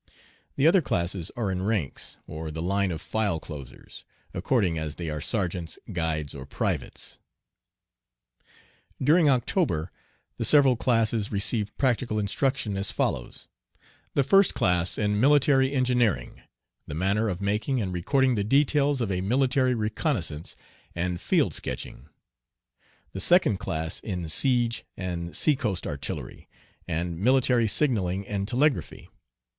The other classes are in ranks, or the line of file closers, according as they are sergeants, guides, or privates. During October the several classes receive practical instruction as follows: The first class in military engineering, the manner of making and recording the details of a military reconnoissance, and field sketching; the second class in siege and sea coast artillery, and military signalling and telegraphy.